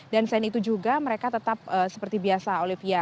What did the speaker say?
dan selain itu juga mereka tetap seperti biasa olivia